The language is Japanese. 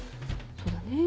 そうだね。